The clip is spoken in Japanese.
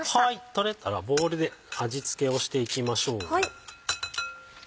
とれたらボウルで味付けをしていきましょう。